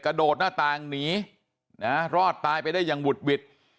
กระโดดหน้าต่างหนีนะรอดตายไปได้อย่างหุดหวิด